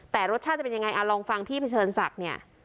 แต่รสชาติจะเป็นยังไงลองฟังพี่เผชิญศักดิ์เนี่ย